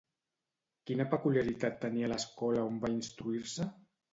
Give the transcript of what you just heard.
Quina peculiaritat tenia l'escola on va instruir-se?